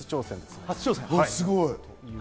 すごい！